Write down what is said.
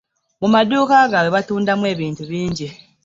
Mu maduuka gaabwe, batundamu ebintu bingi.